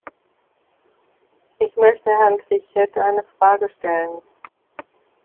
Ich möchte Herrn Trichet eine Frage stellen.